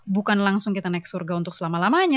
bukan langsung kita naik surga untuk selama lamanya